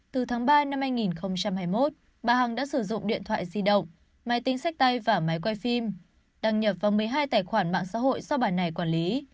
từ tháng ba năm hai nghìn hai mươi một bà hằng đã sử dụng điện thoại di động máy tính sách tay và máy quay phim đăng nhập vào một mươi hai tài khoản mạng xã hội do bà này quản lý